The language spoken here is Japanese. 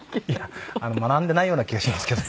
学んでないような気がしますけど。